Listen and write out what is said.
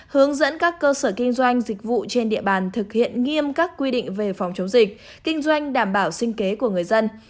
hướng dẫn các cơ sở kinh doanh dịch vụ trên địa bàn thực hiện nghiêm các quy định về phòng chống dịch kinh doanh đảm bảo sinh kế của người dân